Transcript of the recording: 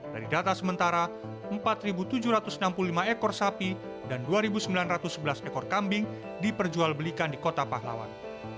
dari data sementara empat tujuh ratus enam puluh lima ekor sapi dan dua sembilan ratus sebelas ekor kambing diperjual belikan di kota pahlawan